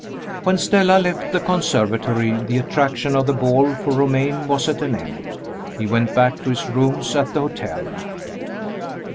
WHEN Stella left the conservatory, the attraction of the ball for Romayne was at an end. He went back to his rooms at the hotel.